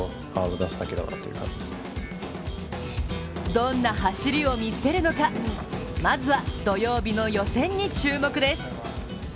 どんな走りを見せるのか、まずは土曜日の予選に注目です！